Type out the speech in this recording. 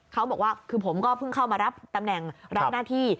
เขาบอกว่าคือผมก็เพิ่งเข้ามารับตำแหน่งรับหน้าที่